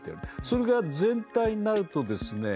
それが全体になるとですね